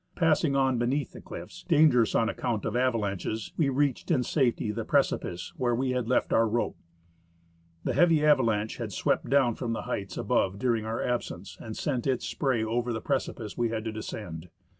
Passing on beneath the cliffs, dangerous on account of avalanches, we reached in safety the precipice where we had left our rope. A heavy avalanche had swept down from the heights above during our absence and sent its spray over the precipice we had to descend.